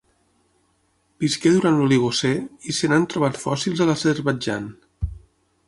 Visqué durant l'Oligocè i se n'han trobat fòssils a l'Azerbaidjan.